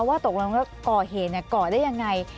ว่าตกลงแล้วก่อเหตุก่อได้ยังไง